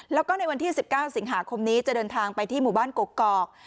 แล้วก็ในวันที่๑๙สิงหาคมนี้จะเดินทางไปที่หมู่บ้านกกอก